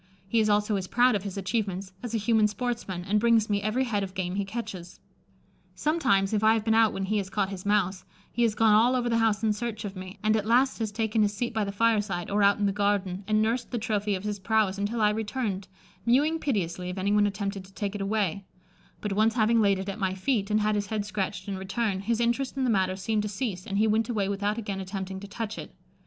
He is also as proud of his achievements as a human sportsman, and brings me every head of game he catches. Sometimes, if I have been out when he has caught his mouse, he has gone all over the house in search of me, and at last has taken his seat by the fireside, or out in the garden, and nursed the trophy of his prowess until I returned, mewing piteously if anyone attempted to take it away; but once having laid it at my feet, and had his head scratched in return, his interest in the matter seemed to cease, and he went away without again attempting to touch it.